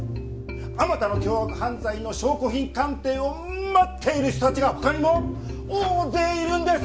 あまたの凶悪犯罪の証拠品鑑定を待っている人たちが他にも大勢いるんです！